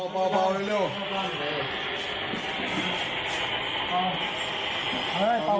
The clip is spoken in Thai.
ป่าวเร็ว